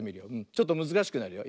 ちょっとむずかしくなるよ。